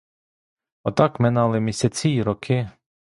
Отак минали місяці й роки.